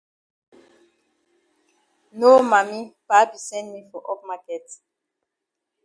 No Mami, Pa be send me for up maket.